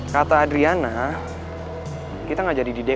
kata adriana kita nggak jadi di do